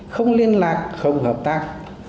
không liên lạc không hợp tác